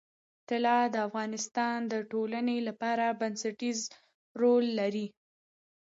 طلا د افغانستان د ټولنې لپاره بنسټيز رول لري.